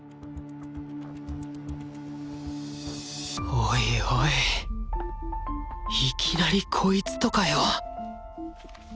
おいおいいきなりこいつとかよ！